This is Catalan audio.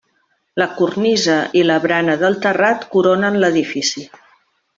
La cornisa i la barana del terrat coronen l'edifici.